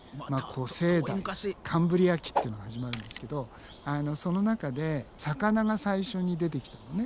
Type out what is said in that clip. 古生代カンブリア紀っていうのが始まるんですけどその中で魚が最初に出てきたのね。